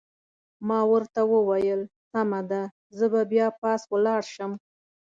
ما ورته وویل: سمه ده، زه به بیا پاس ولاړ شم.